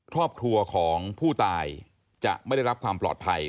ครอบครัวของผู้ตายจะไม่ได้รับความปลอดภัย